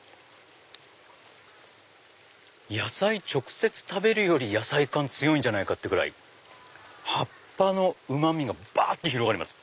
野菜直接食べるより野菜感強いんじゃないかってぐらい葉っぱのうまみが広がります。